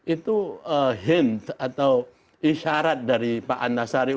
itu hint atau isyarat dari pak antasari